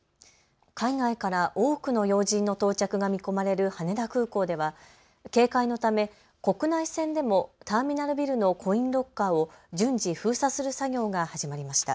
海外から多くの要人の到着が見込まれる羽田空港では警戒のため国内線でもターミナルビルのコインロッカーを順次、封鎖する作業が始まりました。